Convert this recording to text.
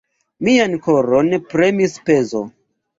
Mian koron premis pezo.